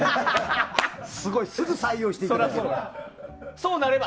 すごいすぐ採用していただける。